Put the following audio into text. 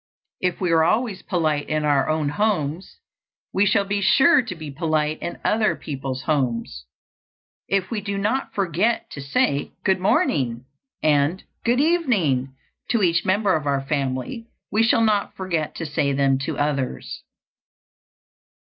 If we are always polite in our own homes, we shall be sure to be polite in other people's homes. If we do not forget to say "Good morning" and "Good evening" to each member of our family, we shall not forget to say them to others.